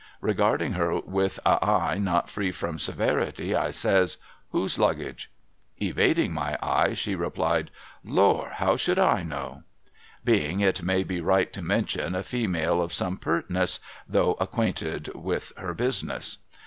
Regarding her with a eye not free from severity, I says, ' Whose Luggage ?' Evading my eye, she replied, ' Lor ! How should / know !'— Being, it may be right to mention, a female of some pertness, though acquainted with her business.